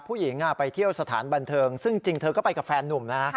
ผู้หญิงไปเที่ยวสถานบันเทิงซึ่งจริงเธอก็ไปกับแฟนนุ่มนะ